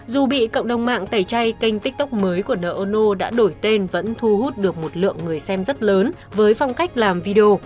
dù bị cộng đồng mạng tẩy chay kênh tiktok mới của ne ono đã đổi tên vẫn thu hút được một lượng người xem rất lớn với phong cách làm video